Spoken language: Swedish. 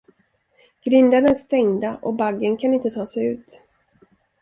Grindarna är stängda och baggen kan inte ta sig ut.